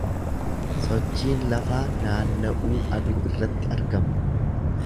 Sochiin lafaa naanna’uu aduu irratti argama.